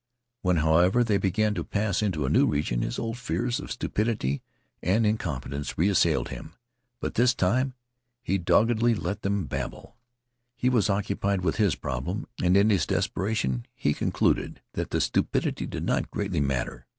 When, however, they began to pass into a new region, his old fears of stupidity and incompetence reassailed him, but this time he doggedly let them babble. He was occupied with his problem, and in his desperation he concluded that the stupidity did not greatly matter.